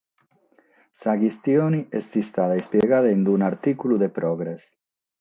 Sa chistione est istada ispiegada in un’artìculu de Progres.